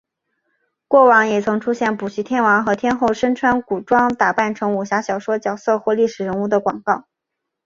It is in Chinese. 过往也曾出现补习天王和天后身穿古装打扮成武侠小说角色或历史人物的广告。